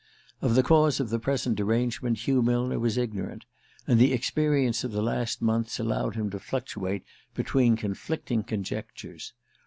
Of the cause of the present derangement Hugh Millner was ignorant; and the experience of the last months allowed him to fluctuate between conflicting conjectures.